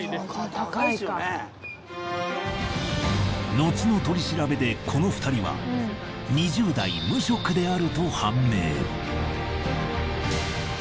後の取り調べでこの２人は２０代無職であると判明。